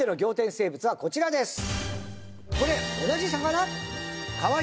生物はこちらですお！